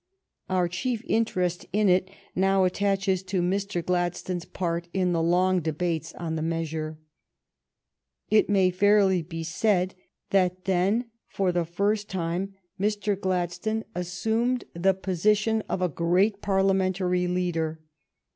Our chief interest in it now attaches to Mr. Gladstone's part in the long debates on the measure. It may fairly be said that then, for the first time, Mr. Gladstone assumed the position of a great Par liamentary leader.